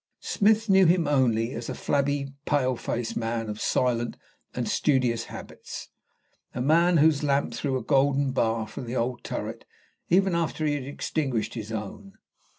Smith knew him only as a flabby, pale faced man of silent and studious habits, a man, whose lamp threw a golden bar from the old turret even after he had extinguished his own.